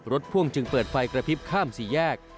พ่วงจึงเปิดไฟกระพริบข้ามสี่แยก